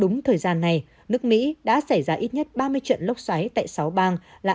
đúng thời gian này nước mỹ đã xảy ra ít nhất ba mươi trận lốc xoáy tại sáu bang là